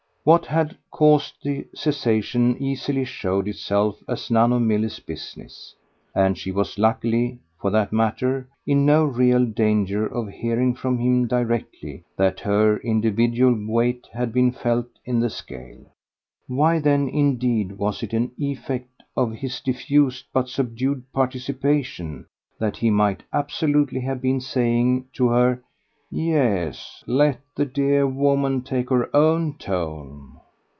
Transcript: What had caused the cessation easily showed itself as none of Milly's business; and she was luckily, for that matter, in no real danger of hearing from him directly that her individual weight had been felt in the scale. Why then indeed was it an effect of his diffused but subdued participation that he might absolutely have been saying to her "Yes, let the dear woman take her own tone"?